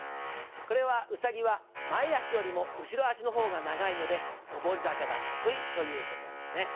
これはウサギは前足よりも後ろ足のほうが長いので登り坂が得意ということなんですね。